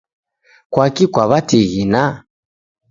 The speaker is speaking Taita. Kwaki kwaw'atighina?